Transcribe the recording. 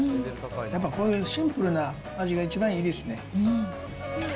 やっぱこういうシンプルな味が一番いいですね。